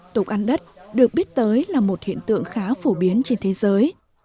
tục ăn đất được biết tới là một hiện tượng khá phổ biến trên thế giới